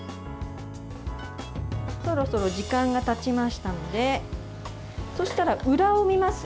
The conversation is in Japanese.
そろそろ時間がたちましたのでそうしたら、裏を見ます。